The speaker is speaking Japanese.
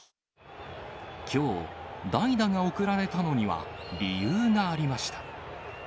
きょう、代打が送られたのには理由がありました。